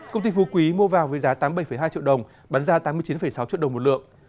công ty phú quý mua vào với giá tám mươi bảy hai triệu đồng bán ra tám mươi chín sáu triệu đồng một lượng